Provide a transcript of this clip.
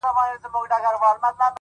درته خبره كوم-